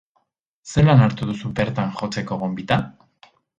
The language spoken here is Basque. Zelan hartu duzu bertan jotzeko gonbita?